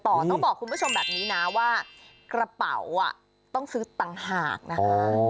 ต้องบอกคุณผู้ชมแบบนี้นะว่ากระเป๋าต้องซื้อต่างหากนะคะ